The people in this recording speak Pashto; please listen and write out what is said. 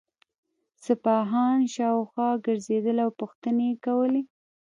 سپاهیان شاوخوا ګرځېدل او پوښتنې یې وکړې.